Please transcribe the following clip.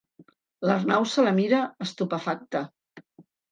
L'Arnau se la mira, estupefacte.